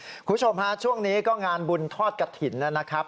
คุณผู้ชมฮะช่วงนี้ก็งานบุญทอดกระถิ่นนะครับ